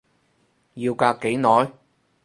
要隔幾耐？